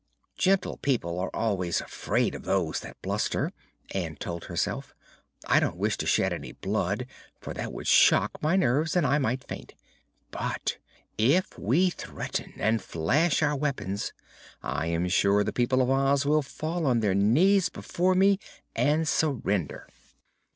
"Gentle people are always afraid of those that bluster," Ann told herself. "I don't wish to shed any blood, for that would shock my nerves and I might faint; but if we threaten and flash our weapons I am sure the people of Oz will fall upon their knees before me and surrender."